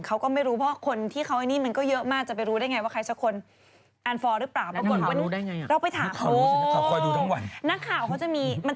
เขาก็ไม่รู้เพราะคนที่เขาไอ้นี่มันก็เยอะมากจะไปรู้ได้ไงว่าใครสักคนแอนฟอร์หรือเปล่า